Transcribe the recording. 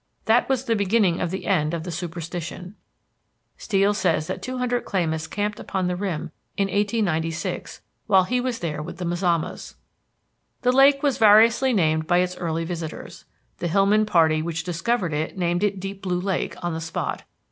That was the beginning of the end of the superstition. Steel says that two hundred Klamaths camped upon the rim in 1896, while he was there with the Mazamas. The lake was variously named by its early visitors. The Hillman party which discovered it named it Deep Blue Lake on the spot.